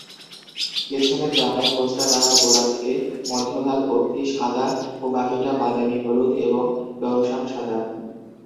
পিছনের ডানায় কোস্টা ডানার গোড়া থেকে মধ্যভাগ অবধি সাদা ও বাকিটা বাদামি-হলুদ এবং ডরসাম সাদা।